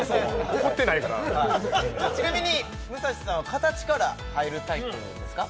怒ってないからちなみに武蔵さんは形から入るタイプですか？